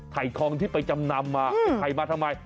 ไข่ทองที่ไปจำนำมาไอ้ไข่มาทำไม